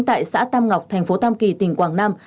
tại xã tam ngọc thành phố tam kỳ tỉnh quảng nam